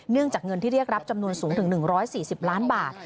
จากเงินที่เรียกรับจำนวนสูงถึง๑๔๐ล้านบาท